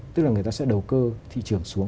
tức là người ta sẽ đầu cơ thị trường xuống